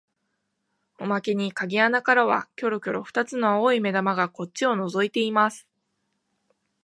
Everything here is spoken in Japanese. おまけに鍵穴からはきょろきょろ二つの青い眼玉がこっちをのぞいています